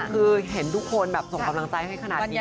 คือเห็นทุกคนแบบส่งกำลังใจให้ขนาดนี้